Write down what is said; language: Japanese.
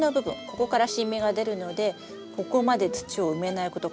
ここから新芽が出るのでここまで土を埋めないこと。